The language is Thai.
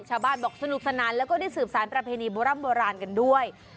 ชาวบ้านบอกสนุกสนานแล้วก็ได้สืบสารประเพณีโบร่ำโบราณกันด้วย